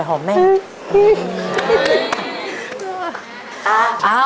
ครอบครับ